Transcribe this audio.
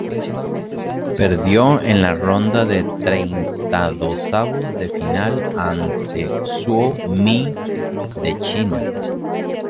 Perdió en la ronda de treintaidosavos de final ante Zhou Mi de China.